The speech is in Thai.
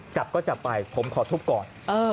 จับก็จับไปผมขอทุบก่อน